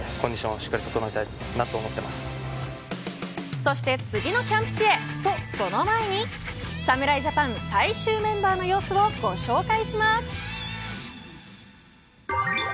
そして次のキャンプ地へ、とその前に侍ジャパン最終メンバーの様子をご紹介します。